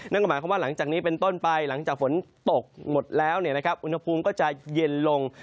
นั่นก็หมายความว่าหลังจากนี้เป็นต้นไปหลังจากฝนตกหมดแล้วอุณหภูมิก็จะเย็นลง